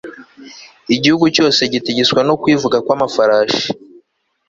igihugu cyose gitigiswa no kwivuga kw'amafarashi